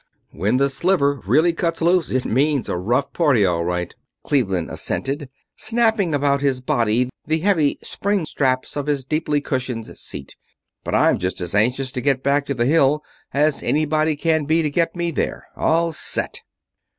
"When the Sliver really cuts loose it means a rough party, all right," Cleveland assented, snapping about his body the heavy spring straps of his deeply cushioned seat, "but I'm just as anxious to get back to the Hill as anybody can be to get me there. All set."